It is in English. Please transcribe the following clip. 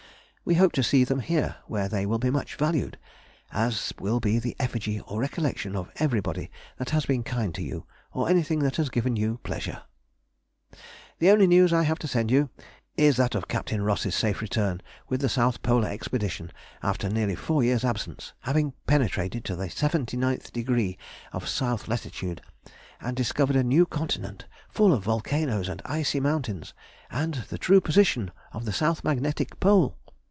We hope to see them here, where they will be much valued, as will be the effigy or recollection of everybody that has been kind to you, or anything that has given you pleasure.... The only news I have to send you is that of Capt. Ross's safe return with the South Polar Expedition after nearly four years' absence, having penetrated to the 79th degree of S. Lat., and discovered a new continent full of volcanoes and icy mountains, and the true position of the south magnetic pole.